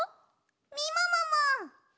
みももも！